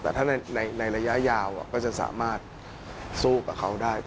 แต่ถ้าในระยะยาวก็จะสามารถสู้กับเขาได้